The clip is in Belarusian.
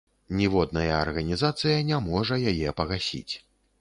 Ніводная арганізацыя не можа яе пагасіць.